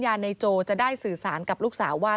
ที่มันก็มีเรื่องที่ดิน